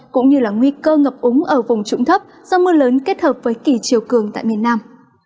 cũng như là nguy cơ ngập úng ở vùng trụng thấp do mưa lớn kết hợp với kỳ chiều cường tại miền nam